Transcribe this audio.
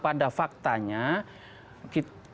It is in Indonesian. pada faktanya kita